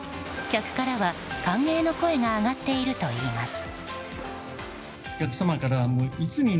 客からは歓迎の声が上がっているということです。